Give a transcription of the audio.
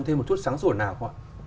thêm một chút sáng sủa nào không ạ